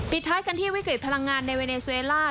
ท้ายกันที่วิกฤตพลังงานในเวเนซูเอล่า